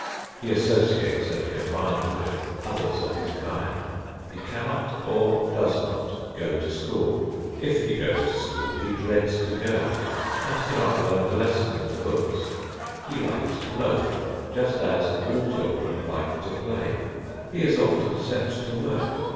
He associates and combines with others of his kind. He cannot or does not go to school. If he goes to school, he dreads to go and cannot learn the lessons in the books. He likes to loaf, just as all children like to play. He is often set to work.